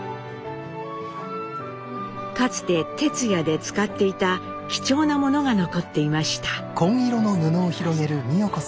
かつて「てつや」で使っていた貴重なものが残っていました。